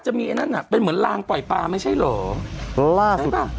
ไอ้นั่นน่ะเป็นเหมือนลางปล่อยปลาไม่ใช่เหรอใช่ป่ะ